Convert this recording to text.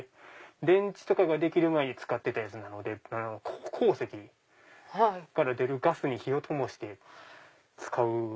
電池とかができる前に使ってたやつなので鉱石から出るガスに火をともして使う。